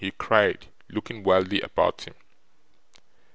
he cried, looking wildly about him.